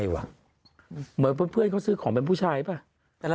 เหมือนเพื่อนเขาซื้อของเป็นผู้ชายป่ะ